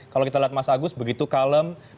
kalau kita lihat mas agus begitu kalem